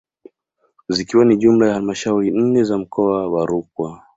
Zikiwa ni jumla ya halmashauri nne za mkoa wa Rukwa